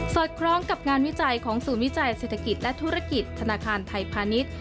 อดคล้องกับงานวิจัยของศูนย์วิจัยเศรษฐกิจและธุรกิจธนาคารไทยพาณิชย์